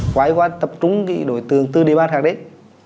quay qua tập trung đồi tường tư địa bàn khác đấy